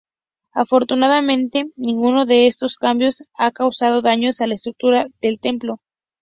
Afortunadamente, ninguno de estos cambios ha causado daños a la estructura del templo.